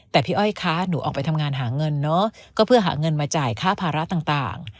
แต่พี่อ้อยคะหนูออกไปทำงานหาเงินเนอะก็เพื่อหาเงินมาจ่ายค่าภาระต่าง